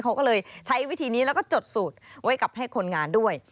เขาก็เลยใช้วิธีนี้แล้วก็จดสูตรไว้กับให้คนงานด้วย